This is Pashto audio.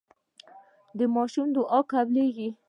د ماشوم دعا قبليږي.